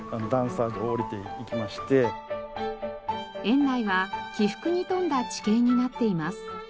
園内は起伏に富んだ地形になっています。